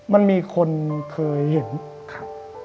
มันมีคนเคยเห็นครับ